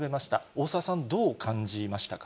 大沢さん、どう感じましたか。